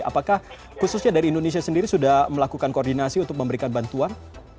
apakah khususnya dari indonesia sendiri sudah melakukan koordinasi untuk memberikan bantuan